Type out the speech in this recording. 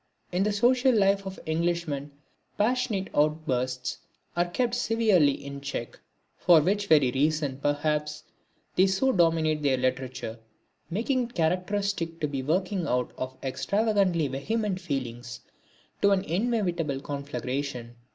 In the social life of Englishmen passionate outbursts are kept severely in check, for which very reason, perhaps, they so dominate their literature, making its characteristic to be the working out of extravagantly vehement feelings to an inevitable conflagration.